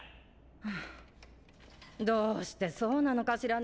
はぁどうしてそうなのかしらね